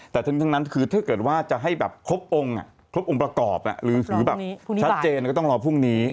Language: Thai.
ถ้าเกิดว่าจะให้แบบครบองค์ประกอบหรือแบบชัดเจนก็ต้องลองพรุ่งนี้